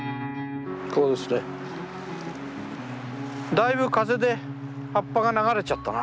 だいぶ風で葉っぱが流れちゃったな。